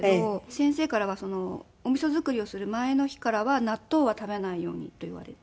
先生からは「おみそ作りをする前の日からは納豆は食べないように」と言われて。